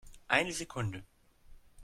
Eine Sekunde!